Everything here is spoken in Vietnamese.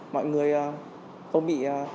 mọi người không bị